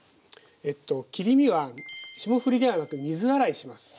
えっと切り身は霜降りではなく水洗いします。